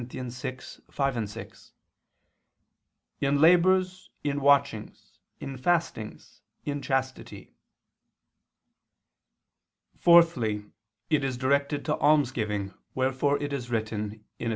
6:5, 6): "In labors, in watchings, in fastings, in chastity." Fourthly, it is directed to almsgiving, wherefore it is written (Eph.